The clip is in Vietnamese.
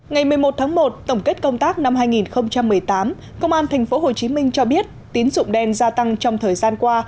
ngày một mươi một tháng một tổng kết công tác năm hai nghìn một mươi tám công an tp hcm cho biết tín dụng đen gia tăng trong thời gian qua